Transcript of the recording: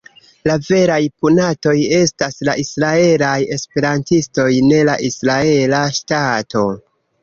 La veraj punatoj estas la israelaj esperantistoj, ne la israela ŝtato.